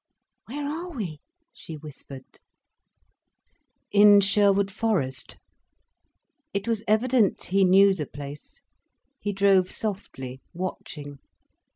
"Where are we?" she whispered. "In Sherwood Forest." It was evident he knew the place. He drove softly, watching.